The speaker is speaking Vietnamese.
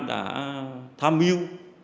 đã tham mưu